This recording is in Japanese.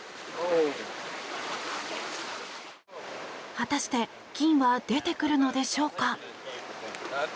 果たして金は出てくるのでしょうか。